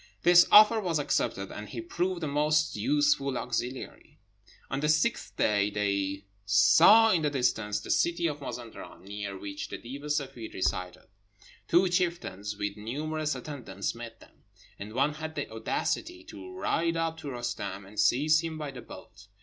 This offer was accepted, and he proved a most useful auxiliary. On the sixth day they saw in the distance the city of Mazenderan, near which the Deev e Seffeed resided. Two chieftains, with numerous attendants, met them; and one had the audacity to ride up to Roostem, and seize him by the belt.